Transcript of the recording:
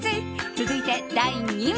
続いて第２問。